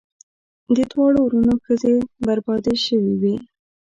د دواړو وروڼو ښځې بربادي شوې وې.